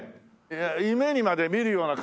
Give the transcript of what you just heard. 夢にまで見るような感じでね。